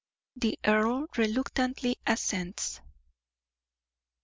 THE EARL RELUCTANTLY ASSENTS.